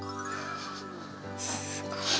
すごい！